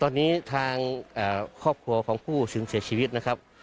ตอนนี้ทางครอบครัวของผู้สินเสียชีวิตนะครับ